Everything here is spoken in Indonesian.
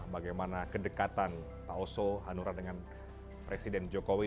bagaimana kedekatan pak oso hanura dengan presiden jokowi